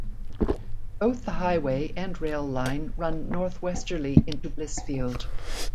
Both the highway and rail line run northwesterly into Blissfield.